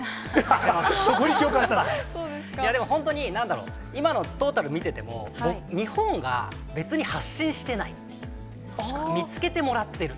でも、本当になんだろ、今のトータル見てても、日本が別に発信してない、見つけてもらってる。